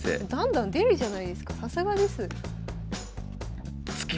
出るじゃないですかさすがです。